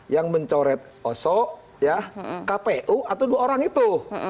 yang mencoret oso kpu atau dua orang itu